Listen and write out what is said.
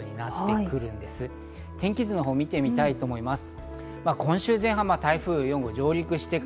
天気図を見てみたいと思います。